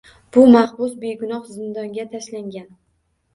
Bu mahbus begunoh zindonga tashlangan.